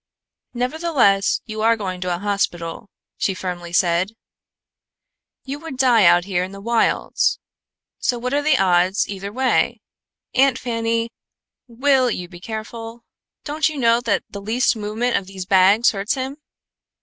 "Nevertheless, you are going to a hospital," she firmly said. "You would die out here in the wilds, so what are the odds either way? Aunt Fanny, will you be careful? Don't you know that the least movement of those bags hurts him?"